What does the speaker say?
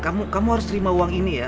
kamu harus terima uang ini ya